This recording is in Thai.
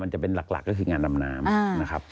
จะเป็นหลักก็คืองานดำน้ำนะครับ